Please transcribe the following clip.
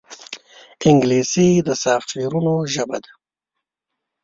انګلیسي د سافټویرونو ژبه ده